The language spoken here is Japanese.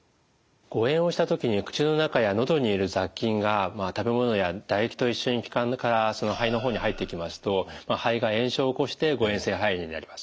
誤えんをした時に口の中やのどにいる雑菌が食べ物や唾液と一緒に気管から肺の方に入っていきますと肺が炎症を起こして誤えん性肺炎になります。